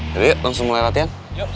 yaudah yuk langsung mulai latihan